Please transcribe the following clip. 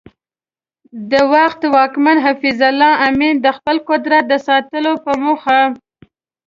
د وخت واکمن حفیظ الله امین د خپل قدرت د ساتلو په موخه